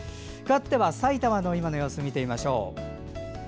かわっては埼玉の今の様子を見てみましょう。